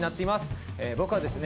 僕はですね